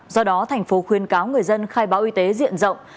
do đó tp khuyên cáo người dân khai báo y tế diện rộng